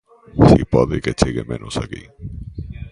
Si pode que chegue menos aquí...